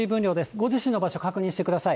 ご自身の場所、確認してください。